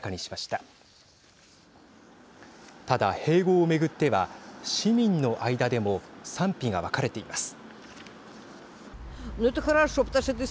ただ、併合を巡っては市民の間でも賛否が分かれています。